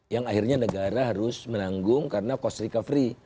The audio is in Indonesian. yang akhirnya negara harus menanggung karena cost recovery